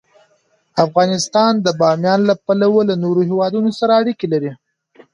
افغانستان د بامیان له پلوه له نورو هېوادونو سره اړیکې لري.